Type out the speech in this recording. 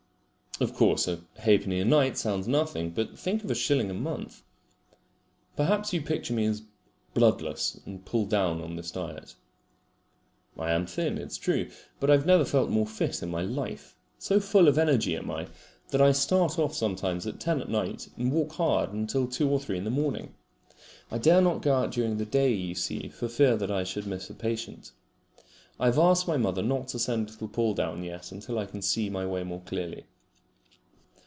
Of course, a halfpenny a night sounds nothing, but think of a shilling a month! Perhaps you picture me as bloodless and pulled down on this diet! I am thin, it is true, but I never felt more fit in my life. So full of energy am I that I start off sometimes at ten at night and walk hard until two or three in the morning. I dare not go out during the day, you see, for fear that I should miss a patient. I have asked my mother not to send little Paul down yet until I see my way more clearly.